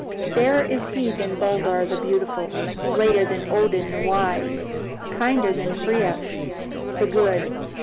Fairer is He than Baldur the Beautiful, greater than Odin the Wise, kinder than Freya the Good.